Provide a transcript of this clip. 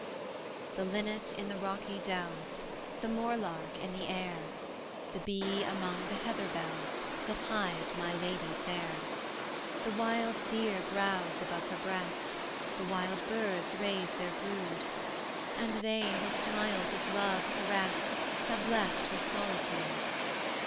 The linnet in the rocky dells, The moor lark in the air, The bee among the heather bells That hide my lady fair: The wild deer browse above her breast; The wild birds raise their brood; And they, her smiles of love caressed, Have left her solitude!